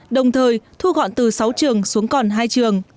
đồng thời thu gọn từ sáu trường xuống còn hai trường